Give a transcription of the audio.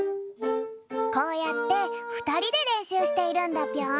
こうやってふたりでれんしゅうしているんだぴょん。